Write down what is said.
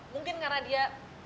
mungkin karena dia